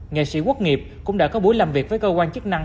nghệ sĩ quốc nghiệp cũng đã có buổi làm việc với cơ quan chức năng